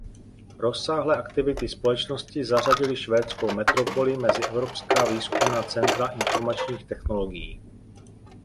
Rozsáhlé aktivity společnosti zařadily švédskou metropoli mezi evropská výzkumná centra informačních technologií.